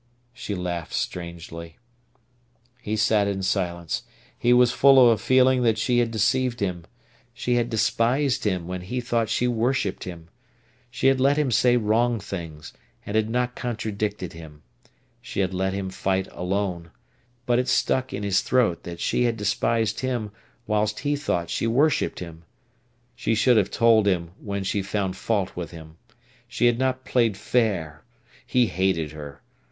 She laughed strangely. He sat in silence. He was full of a feeling that she had deceived him. She had despised him when he thought she worshipped him. She had let him say wrong things, and had not contradicted him. She had let him fight alone. But it stuck in his throat that she had despised him whilst he thought she worshipped him. She should have told him when she found fault with him. She had not played fair. He hated her.